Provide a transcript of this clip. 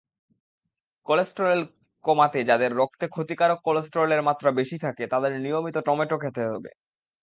Cholesterol কমাতেযাদের রক্তে ক্ষতিকারক কোলেস্টেরলের মাত্রা বেশি থাকে, তাদের নিয়মিত টমেটো খেতে হবে।